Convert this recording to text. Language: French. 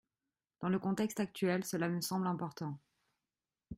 Dans le contexte actuel, cela me semble important.